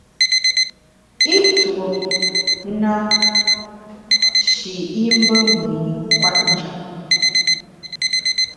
I tuo na shi i mbe me yin kwet njap.